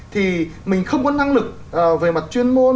thì mình không có năng lực về mặt chuyên môn